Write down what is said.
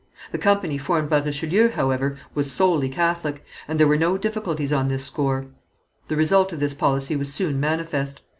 The company formed by Richelieu, however, was solely Catholic, and there were no difficulties on this score. The result of this policy was soon manifest.